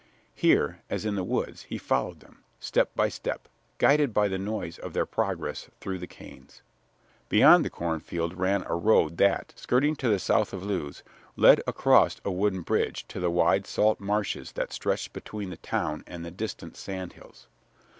Here, as in the woods, he followed them, step by step, guided by the noise of their progress through the canes. Beyond the cornfield ran a road that, skirting to the south of Lewes, led across a wooden bridge to the wide salt marshes that stretched between the town and the distant sand hills.